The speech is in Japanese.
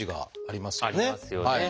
ありますよね。